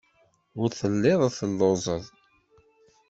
Ur telliḍ telluẓeḍ.